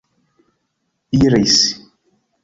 iris